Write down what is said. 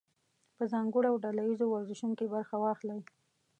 په ځانګړو او ډله ییزو ورزشونو کې برخه واخلئ.